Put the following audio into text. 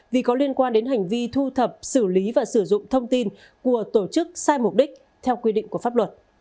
vì có liên quan đến hành vi thu thập xử lý và sử dụng thông tin của tổ chức sai mục đích theo quy định của pháp luật